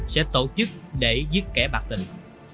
sẽ tổ chức để giết kẻ bạc tình